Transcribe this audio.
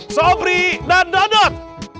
sobri dan dodot